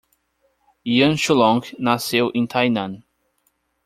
Yan Shuilong nasceu em Tainan